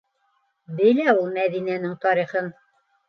Белә ул Мәҙинәнең тарихын.